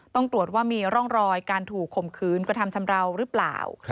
ต้องตรวจว่ามีร่องรอยการถูกข่มขืนกระทำชำราวหรือเปล่า